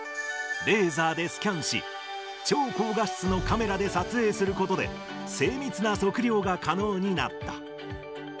レーザーでスキャンし、超高画質のカメラで撮影することで、精密な測量が可能になった。